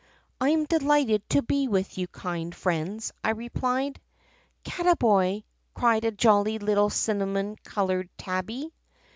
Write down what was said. " 'I am delighted to be with you, kind friends,' I replied. " 'Cattaboy!' cried a jolly little cinnamon colored tabby.